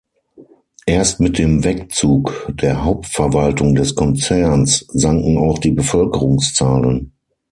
Erst mit dem Wegzug der Hauptverwaltung des Konzerns sanken auch die Bevölkerungszahlen.